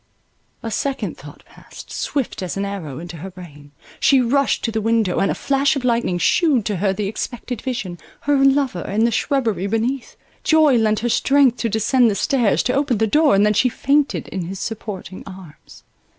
A second thought passed, swift as an arrow, into her brain; she rushed to the window; and a flash of lightning shewed to her the expected vision, her lover in the shrubbery beneath; joy lent her strength to descend the stairs, to open the door, and then she fainted in his supporting arms.